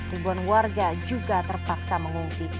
ribuan warga juga terpaksa mengungsi